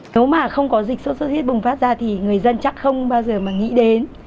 nếu mà không có dịch sốt xuất huyết bùng phát ra thì người dân chắc không bao giờ mà nghĩ đến